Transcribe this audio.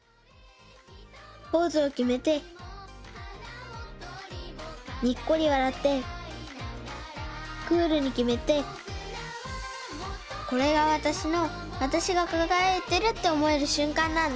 ポーズをきめてにっこりわらってクールにきめてこれがわたしのわたしがかがやいてるっておもえるしゅんかんなんだ。